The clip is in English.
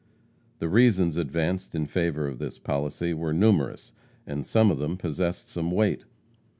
The reasons advanced in favor of this policy were numerous, and some of them possessed some weight.